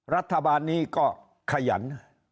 รัฐบาลนี้ก็ขยัน